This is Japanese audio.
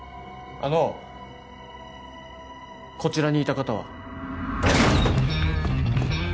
あのこちらにいた方は？